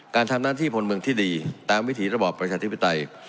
การทำหน้าที่พลเมืองที่ดีตามวิถีระบอบประชาธิปไตย